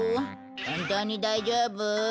本当に大丈夫？